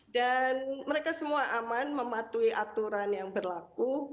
dan mereka semua aman mematuhi aturan yang berlaku